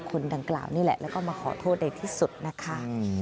คนดังกล่าวนี่แหละแล้วก็มาขอโทษในที่สุดนะคะ